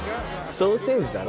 ソーセージだろ？